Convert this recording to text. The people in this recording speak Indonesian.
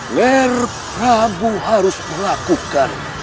nger prabu harus melakukan